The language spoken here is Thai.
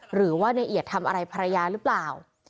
หรือว่าในเอียดทำอะไรภรรยาหรือเปล่า